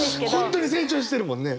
本当に成長してるもんね。